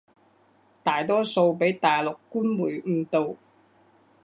大多數畀大陸官媒誤導